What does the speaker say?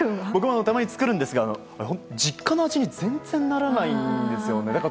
僕もたまに作るんですが実家の味に全然ならないんですよね。